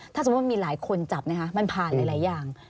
ถ้าสมมุติมีหลายคนจับนะคะมันผ่านหลายอย่าง